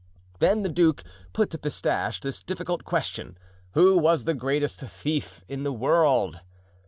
Then the duke put to Pistache this difficult question, who was the greatest thief in the world?